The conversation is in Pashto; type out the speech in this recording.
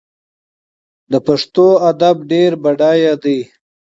د پښتو ادب ډېر بډایه دی.